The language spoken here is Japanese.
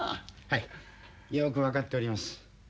はいよく分かっております。